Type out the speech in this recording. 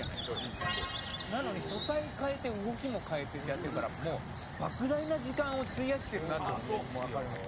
なのに書体変えて動きも変えてってやってるから莫大な時間を費やしてるなってわかりますね。